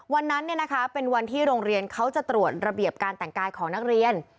วันนั้นเป็นวันที่โรงเรียนเขาจะตรวจระเบียบการแต่งกายของนักเรียน